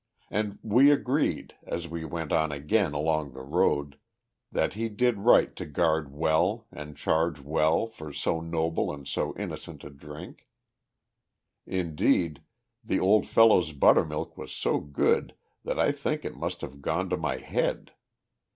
And we agreed, as we went on again along the road, that he did right to guard well and charge well for so noble and so innocent a drink. Indeed, the old fellow's buttermilk was so good that I think it must have gone to my head.